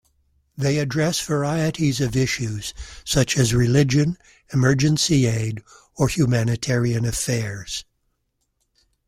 They address varieties of issues such as religion, emergency aid, or humanitarian affairs.